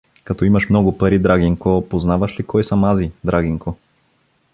Като имаш много пари, драгинко, познаваш ли кой съм ази, драгинко!